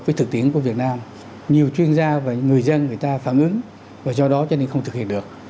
với thực tiễn của việt nam nhiều chuyên gia và người dân người ta phản ứng và do đó cho nên không thực hiện được